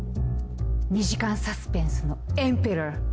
２時間サスペンスのエンペラー。